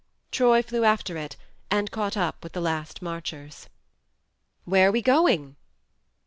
Troy flew after it, and caught up with the last marchers. "Where are we going?